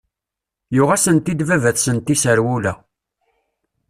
Yuɣ-asent-d baba-tsent iserwula.